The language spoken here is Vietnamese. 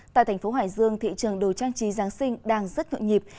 tại thành phố hải dương thị trường đồ trang trí giáng sinh đang rất nhộn nhịp